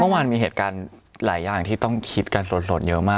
เมื่อวานมีเหตุการณ์หลายอย่างที่ต้องคิดกันสดเยอะมาก